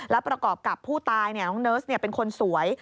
และประกอบกับผู้ตายน้องเนิร์สเป็นคนสวย